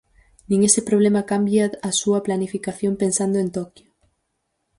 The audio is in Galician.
Nin ese problema cambia a súa planificación pensando en Toquio.